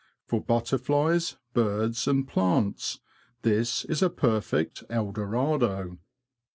For butterflies, birds, and plants, this is a perfect El Dorado.'